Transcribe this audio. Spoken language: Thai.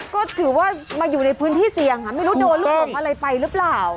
ก็ถือว่ามาอยู่ในพื้นที่เสี่ยงไม่รู้โดนลูกหลงอะไรไปหรือเปล่า